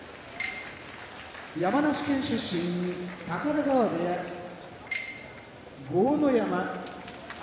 山梨県出身高田川部屋豪ノ山